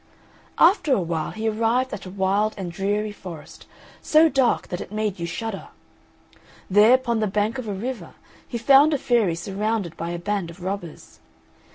After a while he arrived at a wild and dreary forest, so dark that it made you shudder. There, upon the bank of a river, he found a fairy surrounded by a band of robbers.